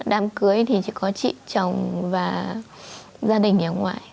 đám cưới thì chỉ có chị chồng và gia đình ở ngoại